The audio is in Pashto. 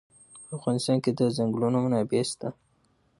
په افغانستان کې د چنګلونه منابع شته.